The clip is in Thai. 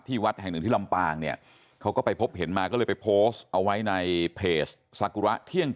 ที่วัดแห่งหนึ่งที่ลำปางเนี่ยเขาก็ไปพบเห็นมาก็เลยไปโพสต์